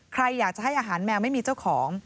ใครอยากจะให้อาหารแมวไม่มีเจ้าของ